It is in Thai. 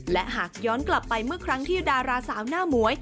และหากย้อนกลับไปเมื่อครั้งที่ดาราสาวหน้าหมวย